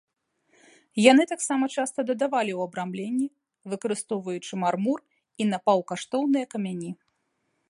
Яны таксама часта дадавалі ў абрамленні, выкарыстоўваючы мармур і напаўкаштоўныя камяні.